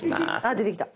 あ出てきた。